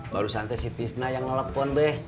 baru santai si tisna yang ngelepon be